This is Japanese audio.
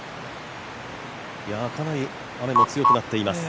かなり雨も強くなっています。